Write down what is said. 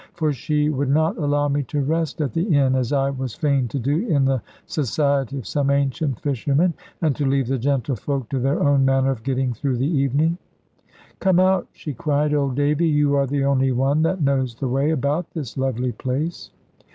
For she would not allow me to rest at the inn, as I was fain to do in the society of some ancient fishermen, and to leave the gentlefolk to their own manner of getting through the evening. "Come out," she cried, "old Davy; you are the only one that knows the way about this lovely place."